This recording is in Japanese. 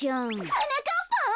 はなかっぱん？